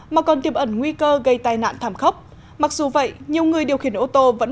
mà còn tiêm ẩn nguy cơ gây tai nạn thảm khốc mặc dù vậy nhiều người điều khiển ô tô vẫn